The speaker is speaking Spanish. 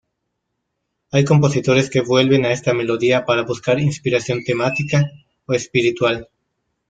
Hay compositores que vuelven a esta melodía para buscar inspiración temática o espiritual.